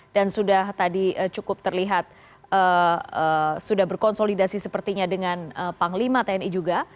dan sudah tadi cukup terlihat sudah berkonsolidasi sepertinya dengan panglima tni juga